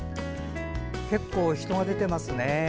結構、人が出てますね。